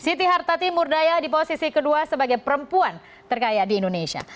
siti harta timur daya di posisi kedua sebagai perempuan terkaya di indonesia